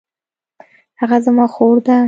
هغه زما خور ده